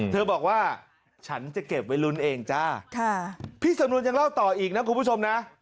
เธอบอกว่าฉันจะเก็บไว้ลุ้นเองจ้าพี่สำนวนยังเล่าต่ออีกนะคุณผู้ชมนะ